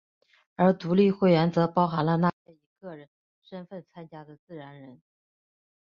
而独立会员则包含了那些以个人身份参加的自然人。